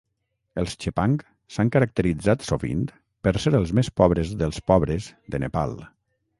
Els chepang s'han caracteritzat sovint per ser els més pobres dels pobres de Nepal.